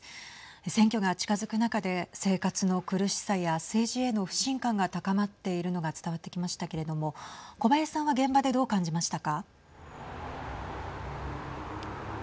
選挙が近づく中で生活の苦しさや政治への不信感が高まっているのが伝わってきましたけれども小林さんは現場でどう感じましたか。